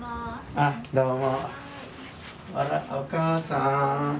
あらお母さん。